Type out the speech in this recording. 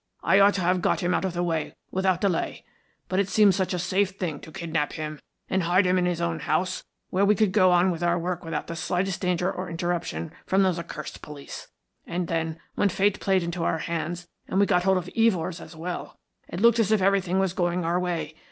I ought to have got him out of the way without delay. But it seemed such a safe thing to kidnap him and hide him in his own house, where we could go on with our work without the slightest danger or interruption from those accursed police. And then, when Fate played into our hands and we got hold of Evors as well, it looked as if everything was going our way.